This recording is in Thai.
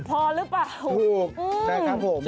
พอหรือเปล่าถูกนะครับผม